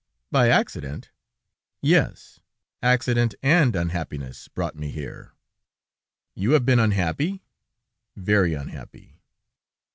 "By accident?" "Yes, accident and unhappiness brought me here." "You have been unhappy?" "Very unhappy."